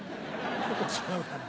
ちょっと違うかな？